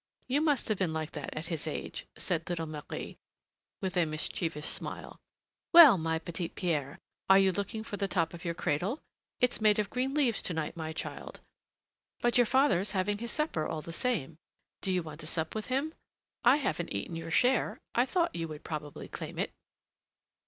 "You must have been like that at his age," said little Marie, with a mischievous smile. "Well, my little Pierre, are you looking for the top of your cradle? It's made of green leaves to night, my child; but your father's having his supper, all the same. Do you want to sup with him? I haven't eaten your share; I thought you would probably claim it!"